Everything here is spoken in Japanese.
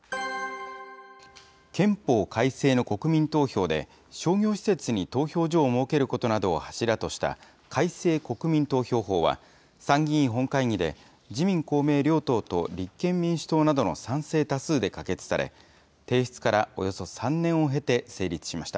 憲法改正の国民投票で、商業施設に投票所を設けることなどを柱とした改正国民投票法は、参議院本会議で、自民、公明両党と立憲民主党などの賛成多数で可決され、提出からおよそ３年を経て成立しました。